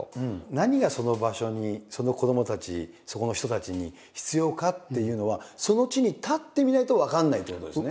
何がその場所にその子どもたちそこの人たちに必要かっていうのはその地に立ってみないと分かんないってことですね。